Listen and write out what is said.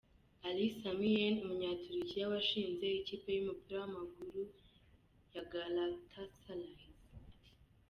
Ali Sami Yen, umunyaturukiya washinze ikipe y’umupira w’amaguru ya Galatasaray S.